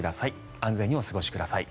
安全にお過ごしください。